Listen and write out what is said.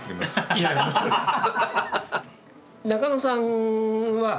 いやいやもちろんですよ。